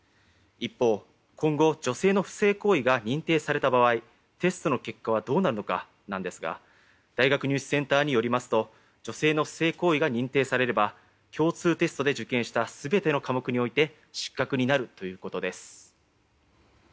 一方、今後女性の不正行為が認定された場合テストの結果はどうなるのかですが大学入試センターによりますと女性の不正行為が認定されれば共通テストで受験した全ての科目が失格になるということです。